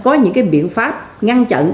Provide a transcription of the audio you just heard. có những cái biện pháp ngăn chặn